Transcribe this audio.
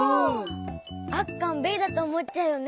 あっかんべえだとおもっちゃうよね。